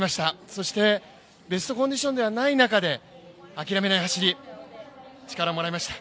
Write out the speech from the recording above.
そしてベストコンディションではない中で諦めない走り、力をもらいました。